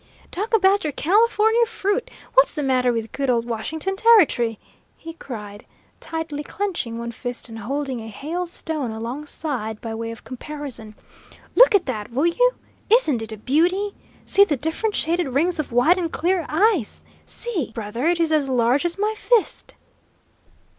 "Talk about your California fruit! what's the matter with good old Washington Territory?" he cried, tightly clenching one fist and holding a hailstone alongside by way of comparison. "Look at that, will you? Isn't it a beauty? See the different shaded rings of white and clear ice. See brother, it is as large as my fist!"